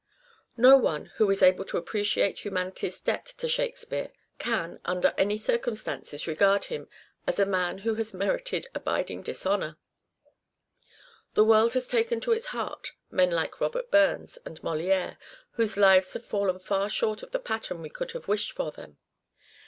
No one, who is able to appreciate humanity's debt to " Shakespeare " can, under any circumstances, regard him as a man who has merited abiding dis honour. The world has taken to its heart men like Robert Burns and Moliere, whose lives have fallen far short of the pattern we could have wished for them.